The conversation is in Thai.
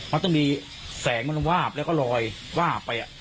มันต้องมีแสงมันวาบแล้วก็ลอยวาบไป